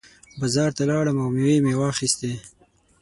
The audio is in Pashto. بازار ته لاړم او مېوې مې واخېستې.